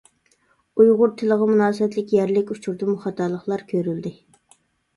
ئۇيغۇر تىلىغا مۇناسىۋەتلىك يەرلىك ئۇچۇردىمۇ خاتالىقلار كۆرۈلدى.